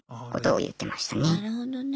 なるほどね。